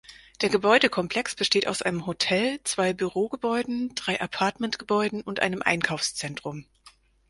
Der Gebäudekomplex besteht aus einem Hotel, zwei Bürogebäuden, drei Appartement-Gebäuden und einem Einkaufszentrum.